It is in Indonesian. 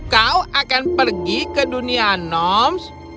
kau akan pergi ke dunia noms